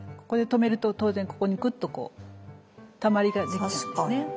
ここで止めると当然ここにクッとこうたまりができるんですね。